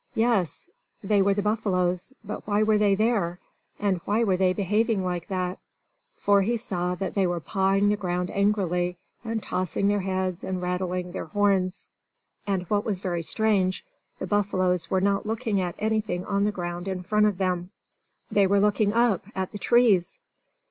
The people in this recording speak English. Yes, they were the buffaloes! But why were they there? And why were they behaving like that? For he saw that they were pawing the ground angrily, and tossing their heads and rattling their horns. And what was very strange, the buffaloes were not looking at anything on the ground in front of them. They were looking up, at the trees!